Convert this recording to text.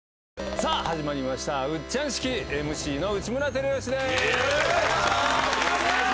さあ始まりましたウッチャン式ＭＣの内村光良です